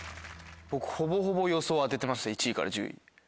僕ほぼほぼ予想当ててました１位から１０位。